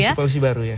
polisi polisi baru ya